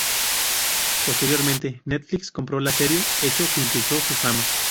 Posteriormente, Netflix, compró la serie, hecho que impulsó su fama.